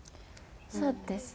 そうですね。